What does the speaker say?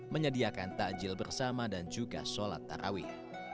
menyediakan takjil bersama dan juga sholat tarawih